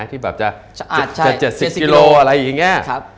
ที่แบบจะ๗๐กิโลอะไรอย่างนี้